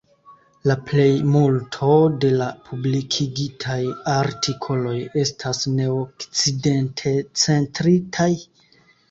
La plejmulto de la publikigitaj artikoloj estas neokcidentcentritaj.